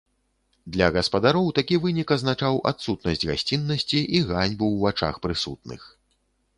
Для гаспадароў такі вынік азначаў адсутнасць гасціннасці і ганьбу ў вачах прысутных.